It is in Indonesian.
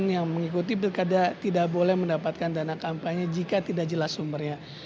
yang mengikuti pilkada tidak boleh mendapatkan dana kampanye jika tidak jelas sumbernya